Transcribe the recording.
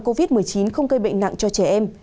covid một mươi chín không gây bệnh nặng cho trẻ em